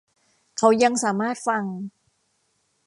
เขายังสามารถฟัง